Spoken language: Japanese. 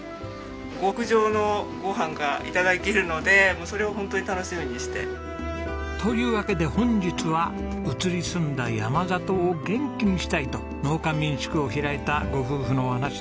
極上のご飯が頂けるのでそれをホントに楽しみにして。というわけで本日は移り住んだ山里を元気にしたいと農家民宿を開いたご夫婦のお話です。